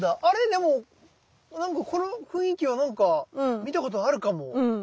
でもこの雰囲気はなんか見たことあるかも。